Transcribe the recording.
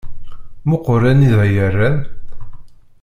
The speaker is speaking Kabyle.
Muqel anida i rran.